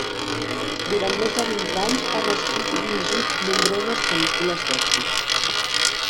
Durant més de vint anys, han escrit i dirigit nombroses pel·lícules d'èxit.